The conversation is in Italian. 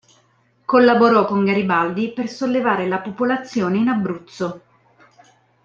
Collaborò con Garibaldi per sollevare la popolazione in Abruzzo.